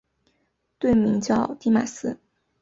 队名叫狄玛斯。